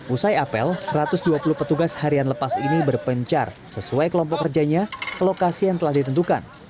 usai apel satu ratus dua puluh petugas harian lepas ini berpencar sesuai kelompok kerjanya ke lokasi yang telah ditentukan